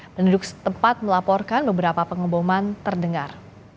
penduduk setempat melaporkan beberapa pengeboman terdengar